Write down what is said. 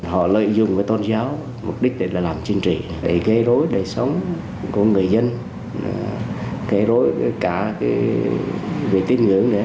họ lợi dụng với tôn giáo mục đích để làm chinh trị để gây rối đời sống của người dân gây rối cả về tín ngưỡng nữa